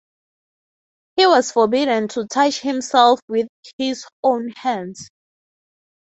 He was forbidden to touch himself with his own hands.